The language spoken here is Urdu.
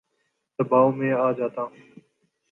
دباو میں آ جاتا ہوں